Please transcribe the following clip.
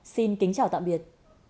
xin kính chào tạm biệt